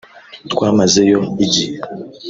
twamazeyo igihe